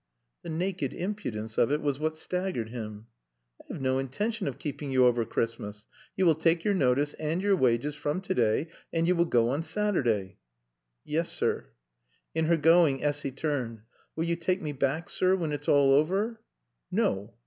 The naked impudence of it was what staggered him. "I have no intention of keeping you over Christmas. You will take your notice and your wages from to day, and you will go on Saturday." "Yes, sir." In her going Essy turned. "Will yo' taake me back, sir, when it's all over?" "No.